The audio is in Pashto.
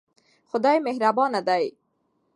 خدای مهربان دی.